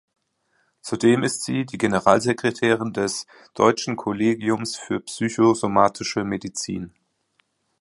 Zudem ist sie die Generalsekretärin des "Deutschen Kollegiums für Psychosomatische Medizin".